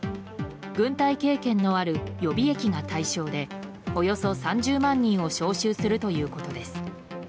軍隊経験のある予備役が対象でおよそ３０万人を招集するということです。